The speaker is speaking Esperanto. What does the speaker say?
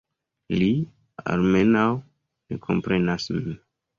Li, almenaŭ, ne komprenas min.